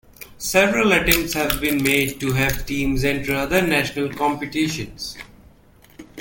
Several attempts have been made to have teams enter other national competitions.